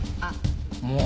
もう！